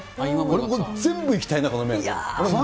俺、全部いきたいな、この麺。